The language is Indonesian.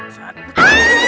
satu dua tiga